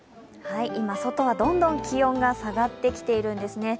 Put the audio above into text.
今、外はどんどん気温が下がってきてるんですね。